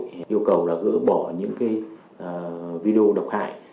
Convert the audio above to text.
chúng tôi yêu cầu là gỡ bỏ những cái video độc hại